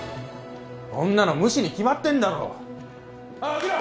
こんなの無視に決まってんだろおい起きろ！